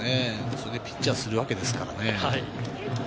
それでピッチャーをするわけですからね。